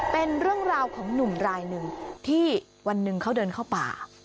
เป็นเรื่องราวของหนุ่มรายหนึ่งที่วันหนึ่งเขาเดินเข้าป่า